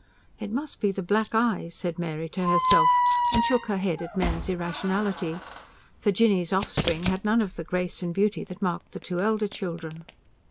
"It must be the black eyes," said Mary to herself; and shook her head at men's irrationality. For Jinny's offspring had none of the grace and beauty that marked the two elder children.